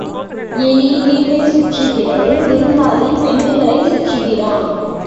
எலி வீட்டைச் சுற்றுகிறது விருந்தாளி பெண்டுகளைச் சுற்றுகிறான்.